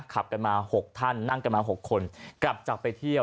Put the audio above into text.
ขับกันมา๖ท่านนั่งกันมา๖คนกลับจากไปเที่ยว